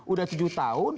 udah tujuh tahun